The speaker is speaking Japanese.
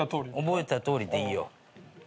覚えたとおりでいいよ。